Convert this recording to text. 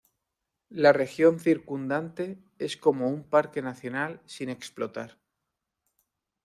La región circundante es como un Parque nacional sin explotar.